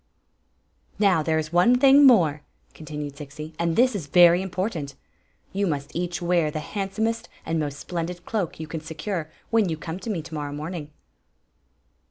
" Now, there is one thing more," continued Zixi ; "and this is very important. You must each wear the handsomest and most splendid cloak you can secure when you come to me to morrow morning."